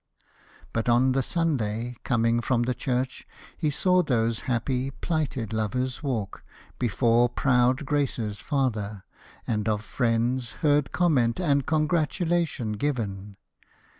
But on the Sunday, coming from the church, He saw those happy, plighted lovers walk Before proud Grace's father, and of friends Heard comment and congratulation given.